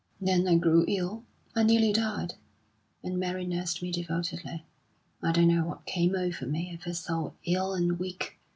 Then I grew ill I nearly died; and Mary nursed me devotedly. I don't know what came over me, I felt so ill and weak.